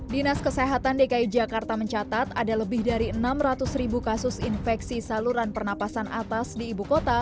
dinas kesehatan dki jakarta mencatat ada lebih dari enam ratus ribu kasus infeksi saluran pernapasan atas di ibu kota